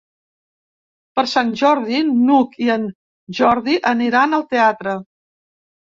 Per Sant Jordi n'Hug i en Jordi aniran al teatre.